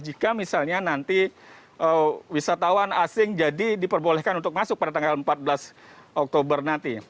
jika misalnya nanti wisatawan asing jadi diperbolehkan untuk masuk pada tanggal empat belas oktober nanti